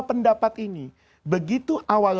pendapat ini begitu awal